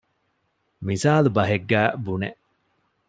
މިސާލުބަހެއްގައި ބުނެ